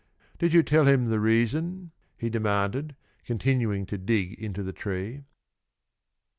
"Did you tell him the reason?" he demanded, continuing to dig into the tree.